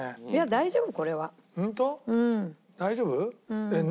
大丈夫。